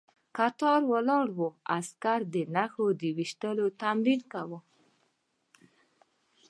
کتار ولاړو عسکرو د نښې ويشتلو تمرين کاوه.